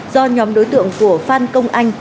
do nhóm đối tượng của phan công anh